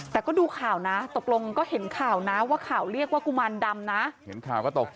แต่ก็ดูข่าวนะตกลงก็เห็นข่าวนะว่าข่าวเรียกว่ากุมารดำนะ